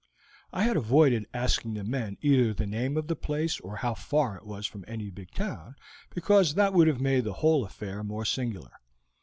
"I had avoided asking the men either the name of the place or how far it was from any big town, because that would have made the whole affair more singular.